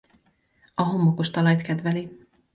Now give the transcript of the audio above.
A homokos talajt kedveli.